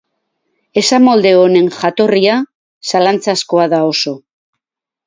Esamolde honen jatorria zalantzazkoa da oso.